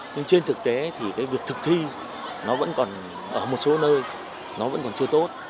nhưng trên thực tế thì cái việc thực thi nó vẫn còn ở một số nơi nó vẫn còn chưa tốt